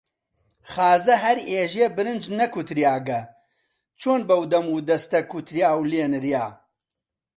خازە هەر ئێژێ برنج نەکوتریاگە، چۆن بەو دەمودەستە کوتریا و لێ نریا؟